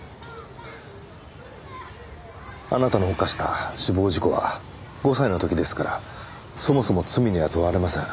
あなたの犯した死亡事故は５歳の時ですからそもそも罪には問われません。